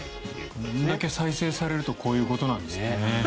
こんだけ再生されるとこういうことなんですね。